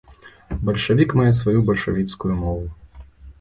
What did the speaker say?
Бальшавік мае сваю бальшавіцкую мову.